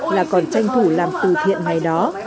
là còn tranh thủ làm tử thiện ngày đó